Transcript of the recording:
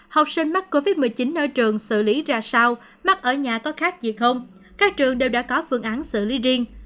học sinh mắc covid một mươi chín ở trường xử lý ra sao mắc ở nhà có khác gì không các trường đều đã có phương án xử lý riêng